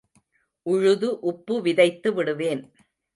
உழுது உப்பு விதைத்து விடுவேன்.